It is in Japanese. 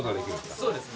そうですね。